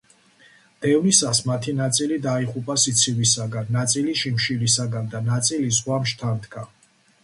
დევნისას მათი ნაწილი დაიღუპა სიცივისაგან, ნაწილი შიმშილისაგან და ნაწილი ზღვამ შთანთქა.